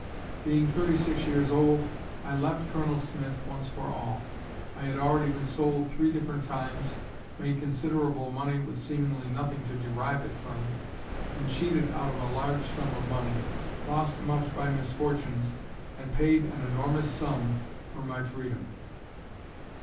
Being thirty six years old, I left Col. Smith once for all. I had already been sold three different times, made considerable money with seemingly nothing to derive it from, been cheated out of a large sum of money, lost much by misfortunes, and paid an enormous sum for my freedom.